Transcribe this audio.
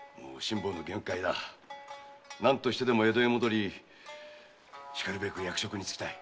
何としてでも江戸へ戻りしかるべく役職につきたい。